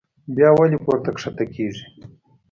بيا ولې پورته کښته کيږي